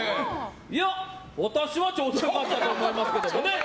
いや、私はちょうどよかったと思いますけどね。